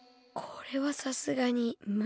これはさすがにむりか。